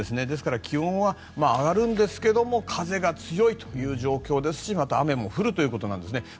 ですから、気温は上がるんですが風が強いという状況ですしまた雨も降るということなんですね。